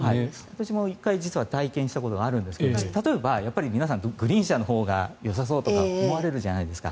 私も体験したことがあるんですが例えば、皆さんグリーン車のほうがよさそうとか思われるじゃないですか。